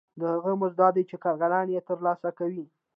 دا هغه مزد دی چې کارګران یې ترلاسه کوي